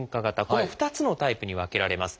この２つのタイプに分けられます。